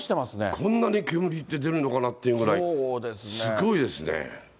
こんなに煙って出るのかなっていうぐらい、すごいですね。